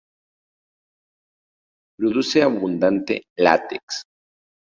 Produce abundante látex.